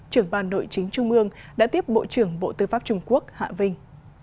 trưởng ban nội chính trung ương đã tiếp bộ trưởng bộ tư pháp trung quốc hạ vinh